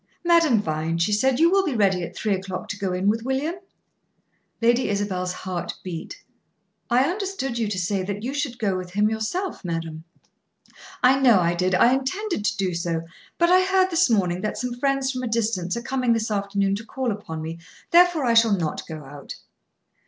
"Madame Vine," she said, "you will be ready at three o'clock to go in with William?" Lady Isabel's heart beat. "I understood you to say that you should go with him yourself, madame." "I know I did. I intended to do so, but I heard this morning that some friends from a distance are coming this afternoon to call upon me, therefore I shall not go out."